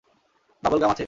Bubble gum আছে?